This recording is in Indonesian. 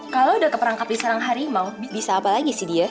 kalau udah keperangkap diserang hari bisa apa lagi sih dia